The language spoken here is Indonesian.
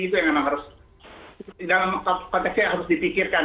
itu yang memang harus dalam konteksnya harus dipikirkan